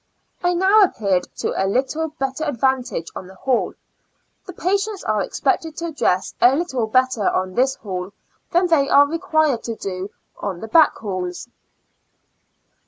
I now appeared to a little bet ter advantage on the hall. The patients are expected to dress a little better on this hall than they are required to do on the back halls.